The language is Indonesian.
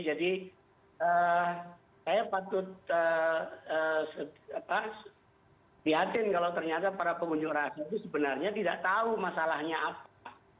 jadi saya patut lihatin kalau ternyata para pengunjung rahasia itu sebenarnya tidak tahu masalahnya apa